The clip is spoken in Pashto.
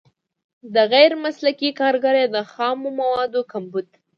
غیر مسلکي کارګر یا د خامو موادو کمبود.